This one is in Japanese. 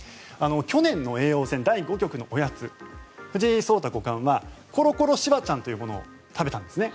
去年の叡王戦第５局のおやつ藤井聡太五冠はコロコロしばちゃんというものを食べたんですね。